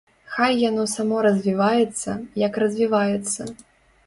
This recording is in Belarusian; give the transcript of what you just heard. Хай яно само развіваецца, як развіваецца.